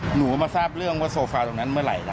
หนูมาทราบเรื่องว่าโซฟาตรงนั้นเมื่อไหร่นะ